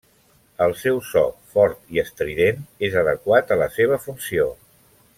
El seu so, fort i estrident, és adequat a la seva funció.